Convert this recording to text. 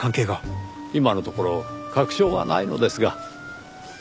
今のところ確証はないのですが。